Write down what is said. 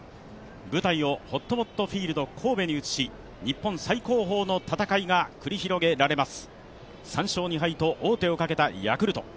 舞台をほっともっとフィールド神戸に移し、日本最高峰の戦いが繰り広げられます。